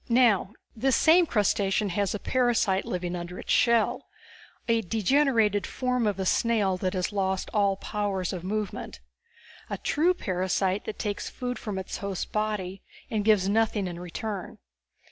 "Now, this same crustacean has a parasite living under its shell, a degenerated form of a snail that has lost all powers of movement. A true parasite that takes food from its host's body and gives nothing in return.